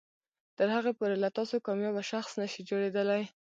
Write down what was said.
تر هغې پورې له تاسو کاميابه شخص نشي جوړیدلی